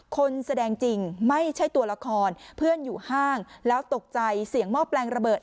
คนแสดงจริงไม่ใช่ตัวละครเพื่อนอยู่ห้างแล้วตกใจเสียงหม้อแปลงระเบิด